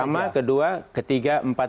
pertama kedua ketiga empat lima